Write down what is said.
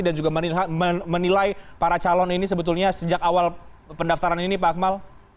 dan juga menilai para calon ini sebetulnya sejak awal pendaftaran ini pak akmal